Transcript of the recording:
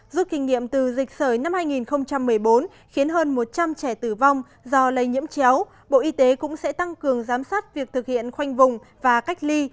rút kinh nghiệm từ dịch sởi năm hai nghìn một mươi bốn khiến hơn một trăm linh trẻ tử vong do lây nhiễm chéo bộ y tế cũng sẽ tăng cường giám sát việc thực hiện khoanh vùng và cách ly